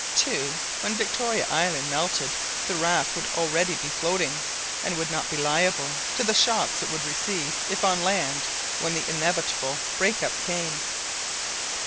2. When Victoria Island melted, the raft would already be floating, and would not be liable to the shocks it would receive if on land when the inevitable break up came.